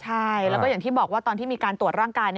ใช่แล้วก็อย่างที่บอกว่าตอนที่มีการตรวจร่างกาย